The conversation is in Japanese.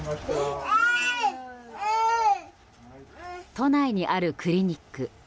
都内にあるクリニック。